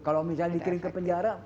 kalau misalnya dikirim ke penjara